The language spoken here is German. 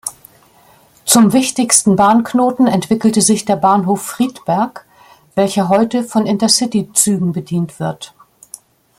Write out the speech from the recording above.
Zum wichtigsten Bahnknoten entwickelte sich der Bahnhof Friedberg, welcher heute von Intercity-Zügen bedient wird.